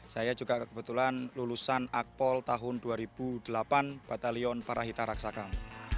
saya juga kebetulan lulusan akpol tahun dua ribu delapan batalion parahita raksakam